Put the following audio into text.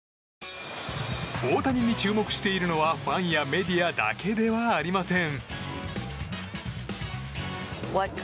大谷に注目しているのはファンやメディアだけではありません。